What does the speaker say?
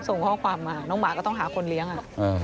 ส่งข้อความมาน้องหมาก็ต้องหาคนเลี้ยงอ่ะ